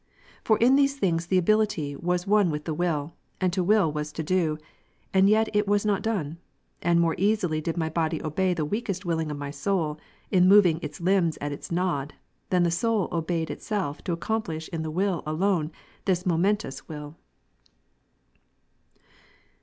For in these things the ability was one with the wall, and to will was to do ; and yet was it not done : and more easily did my body obey the weakest willing of my soul, in moving its limbs at its nod, than the soul obeyed itself to accomplish in the will alone this its momentous will. [IX.